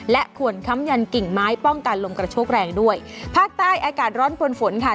และควรค้ำยันกิ่งไม้ป้องกันลมกระโชกแรงด้วยภาคใต้อากาศร้อนปวนฝนค่ะ